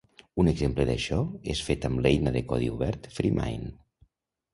Un exemple d'això és fet amb l'eina de codi obert FreeMind.